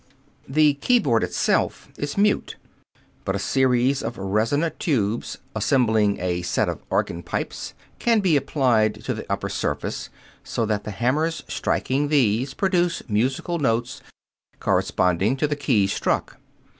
The keyboard in itself is mute, but a series of resonant tubes, resembling a set of organ pipes, can be applied to the upper surface, so that the hammers striking these produce musical notes corresponding to the keys struck.